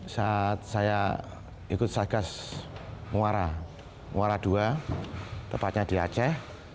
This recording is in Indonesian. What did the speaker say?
saat saya ikut sagas muara ii tepatnya di aceh